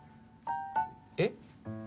えっ？